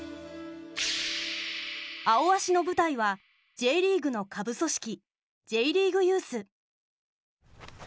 「アオアシ」の舞台はＪリーグの下部組織Ｊリーグユース。